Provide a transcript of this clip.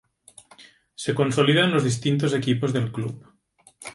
Se consolidan los distintos equipos del Club.